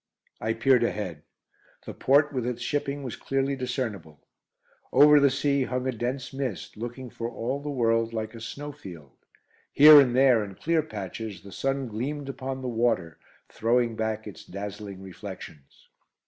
I peered ahead. The port, with its shipping, was clearly discernible. Over the sea hung a dense mist, looking for all the world like a snowfield. Here and there, in clear patches, the sun gleamed upon the water, throwing back its dazzling reflections.